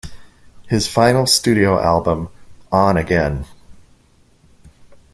His final studio album, On Again!